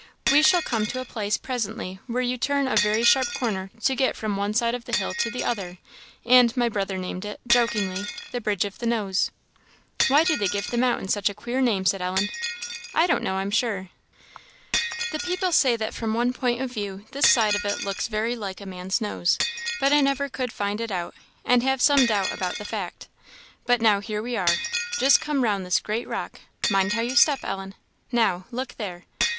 We shall come to a place presently where you turn a very sharp corner to get from one side of the hill to the other; and my brother named it, jokingly, the Bridge of the Nose." "Why do they give the mountain such a queer name?" said Ellen. "I don't know, I'm sure. The people say that from one point of view this side of it looks very like a man's nose; but I never could find it out, and have some doubt about the fact. But now here we are! Just come round this great rock mind how you step, Ellen now, look there!"